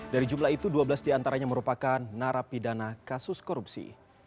dari jumlah itu dua belas diantaranya merupakan narapidana kasus korupsi